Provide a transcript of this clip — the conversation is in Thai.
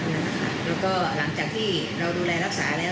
แล้วก็หลังจากที่เราดูแลรักษาแล้ว